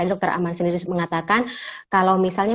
dokter aman sendiri mengatakan kalau misalnya